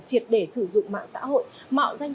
triệt để sử dụng mạng xã hội mạo danh